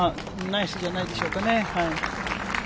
ナイスじゃないでしょうか。